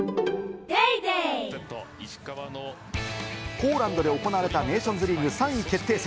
ポーランドで行われたネーションズリーグ３位決定戦。